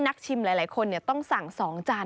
ชิมหลายคนต้องสั่ง๒จาน